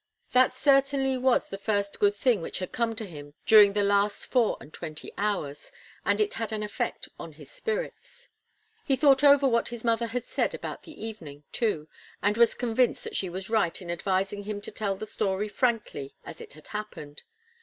That certainly was the first good thing which had come to him during the last four and twenty hours, and it had an effect upon his spirits. He thought over what his mother had said about the evening, too, and was convinced that she was right in advising him to tell the story frankly as it had happened.